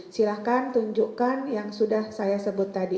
silahkan tunjukkan yang sudah saya sebut tadi